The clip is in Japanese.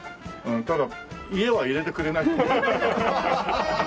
ただ家は入れてくれない。